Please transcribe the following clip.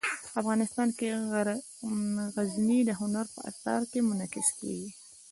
افغانستان کې غزني د هنر په اثار کې منعکس کېږي.